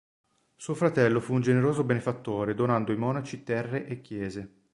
Suo fratello fu un generoso benefattore donando ai monaci terre e chiese.